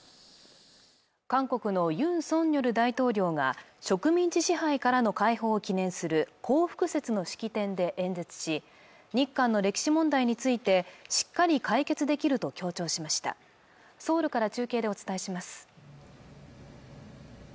韓国のユン・ソンニョル大統領が植民地支配からの解放を記念する光復節の式典で演説し日韓の歴史問題についてしっかり解決できると強調しましたソウルから中継でお伝えします